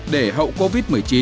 để hậu covid một mươi chín